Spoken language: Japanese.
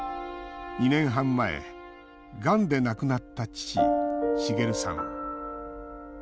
２年半前、がんで亡くなった父・滋さん。